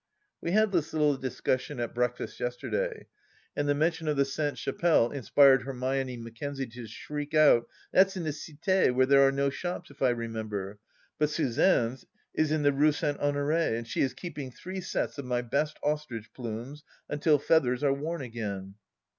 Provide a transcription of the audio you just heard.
... We had this little discussion at breakfast yesterday, and the mention of the Sainte Chapelle inspired Hermione Mac kenzie to shriek out :" That's in the Cii 6, where there are no shops, if I remem ber. But Suzanne's is in the Rue St. Honore, and she is keeping three sets of my best ostrich plumes, until feathers are worn again